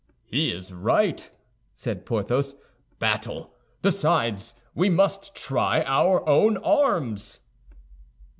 "He is right," said Porthos; "battle. Besides, we must try our own arms."